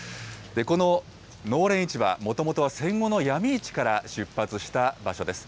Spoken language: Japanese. この農連市場、もともとは戦後の闇市から出発した場所です。